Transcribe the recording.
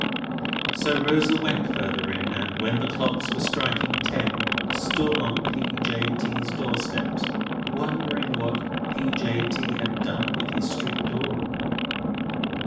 So Rosa went further in, and, when the clocks were striking ten, stood on P. J. T."s doorsteps, wondering what P. J. T. had done with his street door.